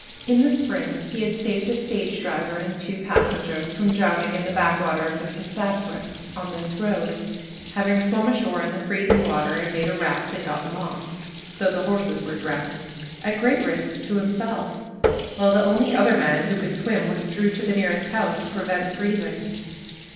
In the spring he had saved a stage driver and two passengers from drowning in the backwater of the Piscataquis on this road, having swum ashore in the freezing water and made a raft and got them off though the horses were drowned at great risk to himself, while the only other man who could swim withdrew to the nearest house to prevent freezing.